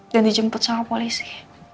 dan dijemput sama polisi